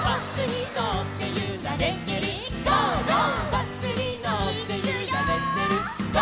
「バスにのってゆられてる」いくよ！